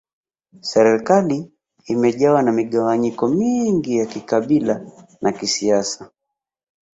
Serikali imejawa na migawanyiko mingi ya kikabila na kisiasa